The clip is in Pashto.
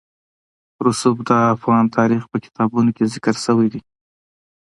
رسوب د افغان تاریخ په کتابونو کې ذکر شوی دي.